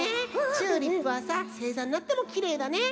チューリップはさせいざになってもきれいだね。